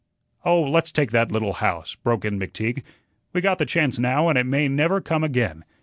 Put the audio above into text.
"Oh, let's take that little house," broke in McTeague. "We got the chance now, and it may never come again.